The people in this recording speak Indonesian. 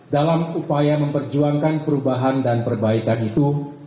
dalam upaya memperjuangkan perubahan dan perbaikan itu